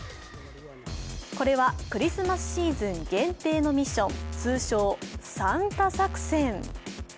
これは、クリスマスシーズン限定のミッション、通称サンタ作戦。